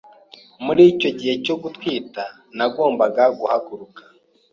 Muri icyo gihe cyo gutwita, nagombaga guhaguruka